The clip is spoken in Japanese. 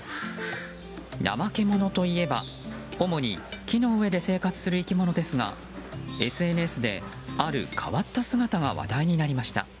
ナマケモノといえば、主に木の上で生活する生き物ですがＳＮＳで、ある変わった姿が話題になりました。